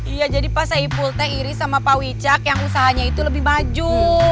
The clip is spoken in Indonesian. iya jadi pak saipulnya iris sama pak wicak yang usahanya itu lebih maju